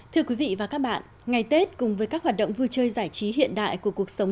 thưa quý vị và các bạn ngày tết cùng với các hoạt động vui chơi giải trí hiện đại của cuộc sống